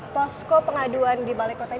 posko pengaduan di balai kota